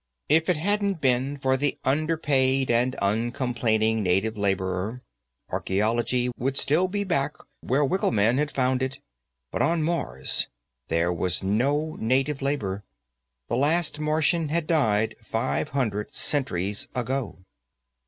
If it hadn't been for the underpaid and uncomplaining native laborer, archaeology would still be back where Wincklemann had found it. But on Mars there was no native labor; the last Martian had died five hundred centuries ago.